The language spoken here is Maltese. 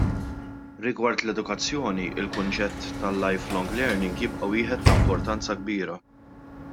Rigward l-edukazzjoni l-kunċett tal-lifelong learning jibqa' wieħed ta' importanza kbira.